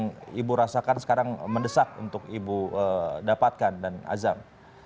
yang ibu rasakan sekarang mendesak untuk ibu dapatkan dan azam